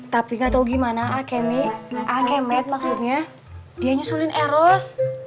tapi gak tau gimana a kemi a kemet maksudnya dia nyusulin eros